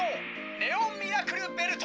ネオ・ミラクルベルト！